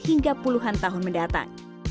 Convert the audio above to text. sehingga puluhan tahun mendatang